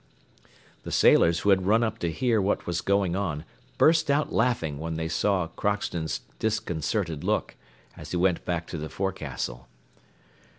The sailors who had run up to hear what was going on burst out laughing when they saw Crockston's disconcerted look, as he went back to the forecastle.